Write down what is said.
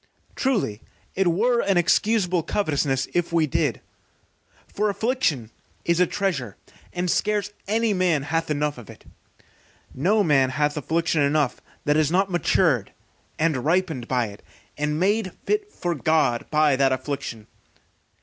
Truly it were an excusable covetousness if we did, for affliction is a treasure, and scarce any man hath enough of it. No man hath affliction enough that is not matured and ripened by it, and made fit for God by that affliction.